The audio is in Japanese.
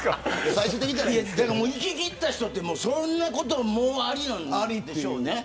いききった人ってそんなこともありなんでしょうね。